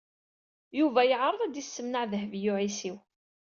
Yuba yeɛreḍ ad d-isemneɛ Dehbiya u Ɛisiw.